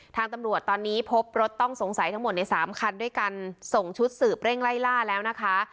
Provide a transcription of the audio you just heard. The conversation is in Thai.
ทางตำรวจตอนนี้พบรถต้องสงสัยทั้งหมดในสามคันด้วยกันส่งชุดสืบเร่งไล่ล่าแล้วนะคะ